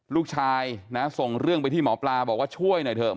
ลูกชายนะส่งเรื่องไปที่หมอปลาบอกว่าช่วยหน่อยเถอะ